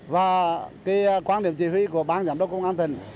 và cái quan điểm chỉ huy của bán giám đốc công an thình